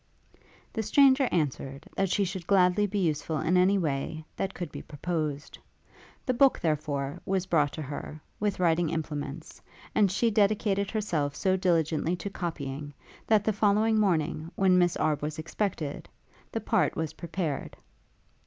The stranger answered that she should gladly be useful in any way that could be proposed. The book, therefore, was brought to her, with writing implements, and she dedicated herself so diligently to copying, that the following morning, when Miss Arbe was expected, the part was prepared.